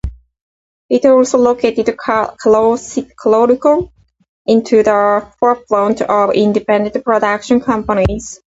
It also rocketed Carolco into the forefront of independent production companies.